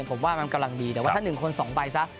ผมว่ามันกำลังดีแต่ว่าถ้า๑คน๒ใบซะ